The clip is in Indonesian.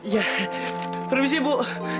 ya permisi bu